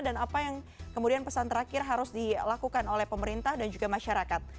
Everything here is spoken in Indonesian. dan apa yang kemudian pesan terakhir harus dilakukan oleh pemerintah dan juga masyarakat